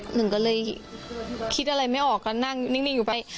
หนึ่งก็เลยคิดอะไรไม่ออกก็นั่งนิ่งอยู่ไป